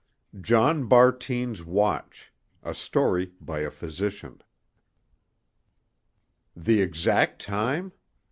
JOHN BARTINE'S WATCH A STORY BY A PHYSICIAN "THE exact time?